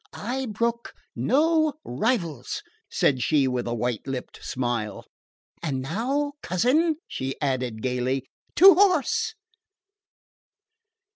"I brook no rivals!" said she with a white lipped smile. "And now, cousin," she added gaily, "to horse!"